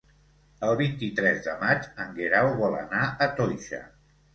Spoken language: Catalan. El vint-i-tres de maig en Guerau vol anar a Toixa.